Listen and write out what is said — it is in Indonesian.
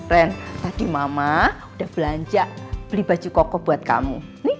ren tadi mama udah belanja beli baju kokoh buat kamu